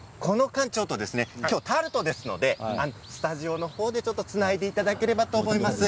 今日はタルトなのでスタジオの方でつないでいただければと思います。